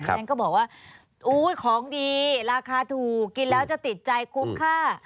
ฉันก็บอกว่าของดีราคาถูกกินแล้วจะติดใจคุ้มค่า